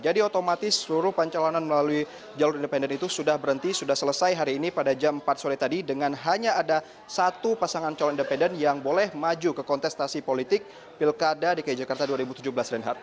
jadi otomatis seluruh pancalonan melalui jalur independen itu sudah berhenti sudah selesai hari ini pada jam empat sore tadi dengan hanya ada satu pasangan calon independen yang boleh maju ke kontestasi politik pilkada dki jakarta dua ribu tujuh belas renhar